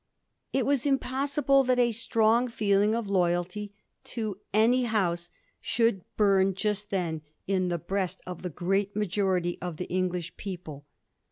It was impossible that a strong feeling of loyalty to any House should hum just then in the breast of the great majority of the English people.